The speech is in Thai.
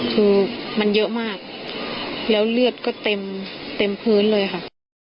คือมันเยอะมากแล้วเลือดก็เต็มเต็มพื้นเลยค่ะ